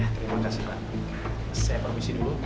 terima kasih pak saya permisi dulu